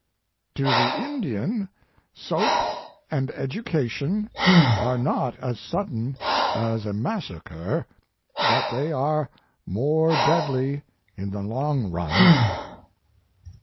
"To the Indian, soap and education are not as sudden as a massacre, but they are more deadly in the long run.